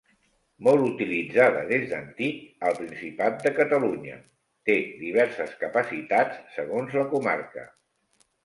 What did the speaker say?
Molt utilitzada des d’antic al Principat de Catalunya, té diverses capacitats segons la comarca.